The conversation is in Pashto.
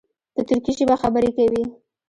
په ترکي ژبه خبرې کوي.